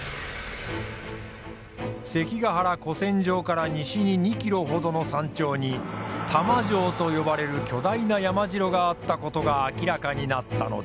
関ケ原古戦場から西に２キロほどの山頂に玉城と呼ばれる巨大な山城があったことが明らかになったのだ。